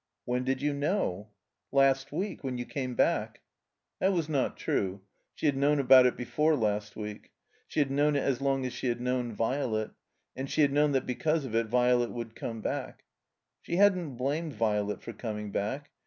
"When did you know?" "Last week. When you came back." That was not true. She had known it before last week. She had known it as long as she had known Violet. And she had known that because of it Violet wotdd come back. She hadn't blamed Violet for coming back.